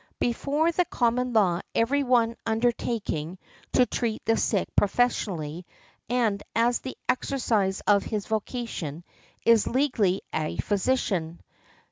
Before the common law every one undertaking to treat the sick professionally, and as the exercise of his vocation, is legally a physician.